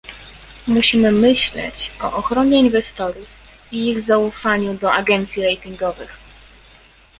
Musimy myśleć o ochronie inwestorów i ich zaufaniu do agencji ratingowych